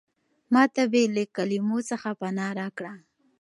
ما ته بې له کلمو څخه پناه راکړه.